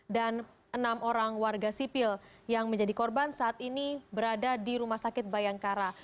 dan enam orang warga sipil yang menjadi korban saat ini berada di rumah sakit bayangkara